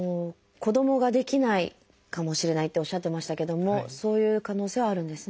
子どもが出来ないかもしれないっておっしゃってましたけどもそういう可能性はあるんですね。